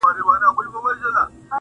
اره اره سي نجارانو ته ځي٫